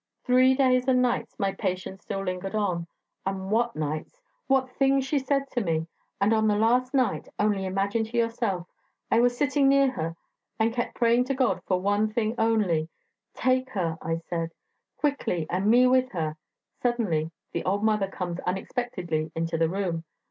Three days and nights my patient still lingered on. And what nights! What things she said to me! And on the last night only imagine to yourself I was sitting near her, and kept praying to God for one thing only: 'Take her,' I said, 'quickly, and me with her.' Suddenly the old mother comes unexpectedly into the room.